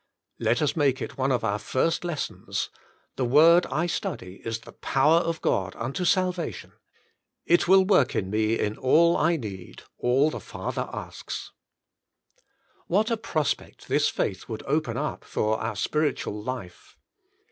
Let us make it one of our first lessons. The word I study is the power of God unto salvation; It The Power of God's Word 39 Will Work in Me in All I Need, All the Father Asks. What a prospect this faith would open up for our spiritual life